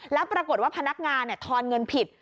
แล้วปรากฏว่าพนักงานทอนเงินผิด